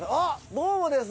どうもです。